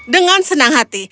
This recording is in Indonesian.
dengan senang hati